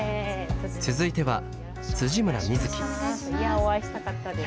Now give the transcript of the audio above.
続いてはお会いしたかったです。